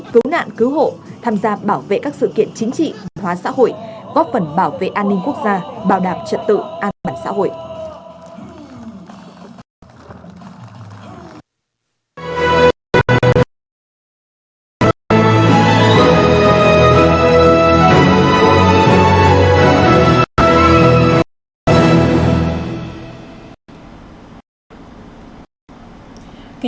cứu nạn cứu hộ tham gia bảo vệ các sự kiện chính trị hình hóa xã hội góp phần bảo vệ an ninh quốc gia bảo đảm trận tự an toàn xã hội